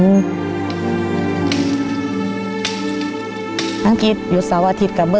ลองกันถามอีกหลายเด้อ